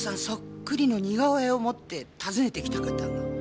そっくりの似顔絵を持って訪ねてきた方が。